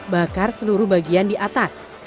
bakar seluruh bagian di atas